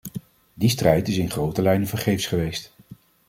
Die strijd is in grote lijnen vergeefs geweest.